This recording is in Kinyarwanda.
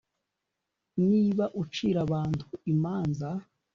niba ucira abantu imanza,